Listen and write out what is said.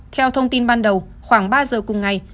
theo thông tin ban đầu khoảng ba giờ cùng ngày